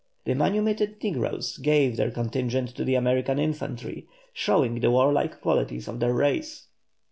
The manumitted negroes gave their contingent to the American infantry, showing the warlike qualities of their race.